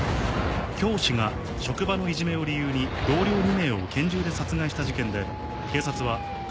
教師が職場のいじめを理由に同僚２名を拳銃で殺害した事件で警察は。